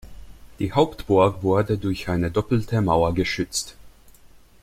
Die Hauptburg wurde durch eine doppelte Mauer geschützt.